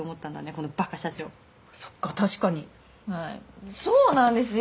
このバカ社長そっか確かにはいそうなんですよ